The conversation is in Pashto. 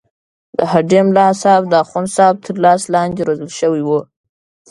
د هډې ملاصاحب د اخوندصاحب تر لاس لاندې روزل شوی وو.